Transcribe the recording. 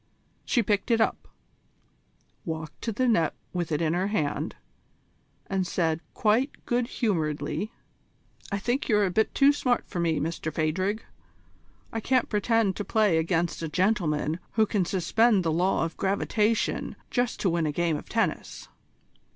She picked it up, walked to the net with it in her hand, and said quite good humouredly: "I think you're a bit too smart for me, Mr Phadrig. I can't pretend to play against a gentleman who can suspend the law of gravitation just to win a game of tennis."